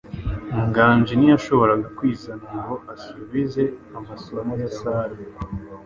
Nganji ntiyashoboraga kwizana ngo asubize amaso ya Sara.